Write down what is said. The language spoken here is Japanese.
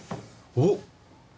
おっ！